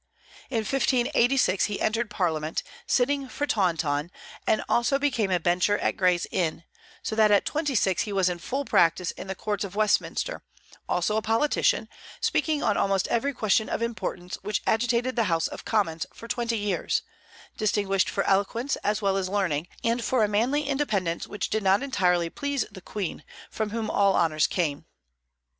In 1586 he entered parliament, sitting for Taunton, and also became a bencher at Gray's Inn; so that at twenty six he was in full practice in the courts of Westminster, also a politician, speaking on almost every question of importance which agitated the House of Commons for twenty years, distinguished for eloquence as well as learning, and for a manly independence which did not entirely please the Queen, from whom all honors came.